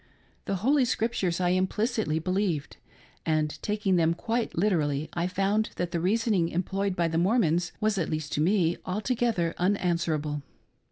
The Holy Scriptures I implicitly believed; and taking them quite liter ally I found that the reasoning employed by the Mormons, was, at least to me, altogether unanswerable.